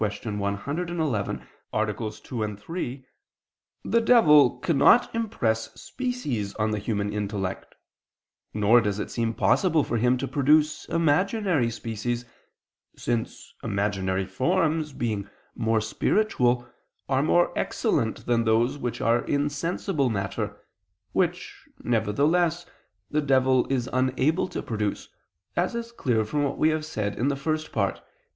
111, AA. 2, 3, ad 2), the devil cannot impress species on the human intellect, nor does it seem possible for him to produce imaginary species, since imaginary forms, being more spiritual, are more excellent than those which are in sensible matter, which, nevertheless, the devil is unable to produce, as is clear from what we have said in the First Part (Q.